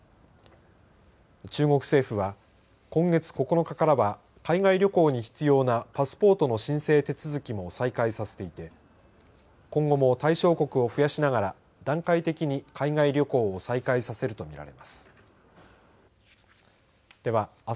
中国政府は今月９日からは海外旅行に必要なパスポートの申請手続きも再開させていて今後も対象国を増やしながら段階的に海外旅行を再開させると見られます。